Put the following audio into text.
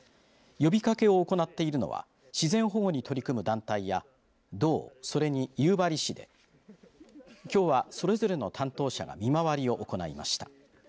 呼びかけを行っているのは自然保護に取り組む団体や道それに夕張市できょうは、それぞれの担当者が見回りを行いました。